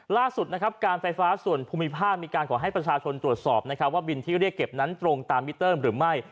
ล่าสุดนะครับการไฟฟ้าส่วนภูมิภาคมีการขอให้ประชาชนตรวจสอบนะครับว่าบินที่เรียกเก็บนั้นตรงตามมิเตอร์หรือไม่